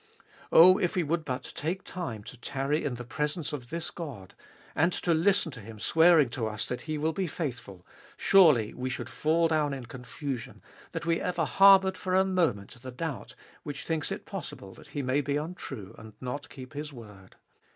Oh, if we would but take time to tarry in the presence of this God, and to listen to Him swearing to us that He will be faithful, surely we should fall down in confusion that we ever harboured for a moment the doubt, which thinks it possible that He may be untrue and not keep His word.